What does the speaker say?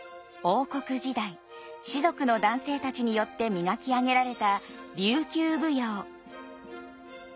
王国時代士族の男性たちによって磨き上げられた琉球舞踊。